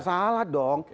nggak salah dong